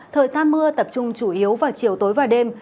thời gian mưa tập trung chủ yếu vào chiều tối và đêm